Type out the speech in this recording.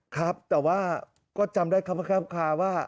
ครับแต่ว่าก็จำได้ครับคาว่า